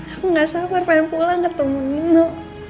aku gak sabar pengen pulang ketemu nindu